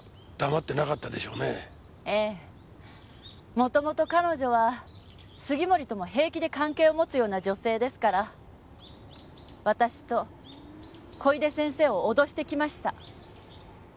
もともと彼女は杉森とも平気で関係を持つような女性ですから私と小出先生を脅してきました。